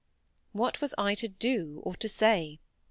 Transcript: What was I to do, or to say?